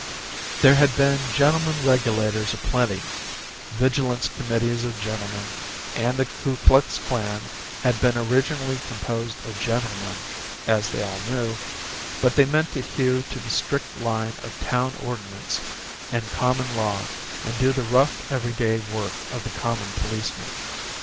There had been gentlemen regulators a plenty, vigilance committees of gentlemen, and the Ku Klux clan had been originally composed of gentlemen, as they all knew, but they meant to hew to the strict line of town ordinance and common law and do the rough everyday work of the common policeman.